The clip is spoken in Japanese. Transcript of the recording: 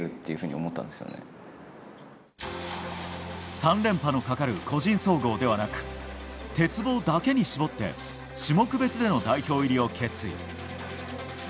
３連覇のかかる個人総合ではなく鉄棒だけに絞って種目別での代表入りを決意。